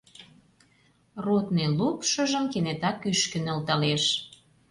Ротный лупшыжым кенета кӱшкӧ нӧлталеш.